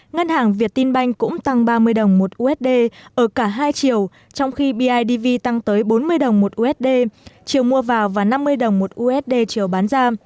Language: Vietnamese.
ngân hàng việt tin banh cũng tăng ba mươi đồng một usd ở cả hai chiều trong khi bidv tăng tới bốn mươi đồng một usd chiều mua vào và năm mươi đồng một usd chiều bán ra